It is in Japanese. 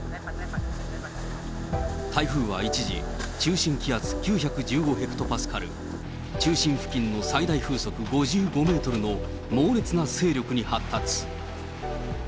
台風は一時、中心気圧９１５ヘクトパスカル、中心付近の最大風速５５メートルの猛烈な勢力に発達。